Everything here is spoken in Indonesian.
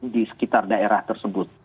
di sekitar daerah tersebut